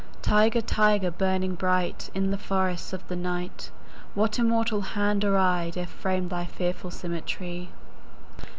20 Tiger, tiger, burning bright In the forests of the night, What immortal hand or eye Dare frame thy fearful symmetry?